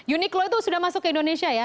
uniklo itu sudah masuk ke indonesia ya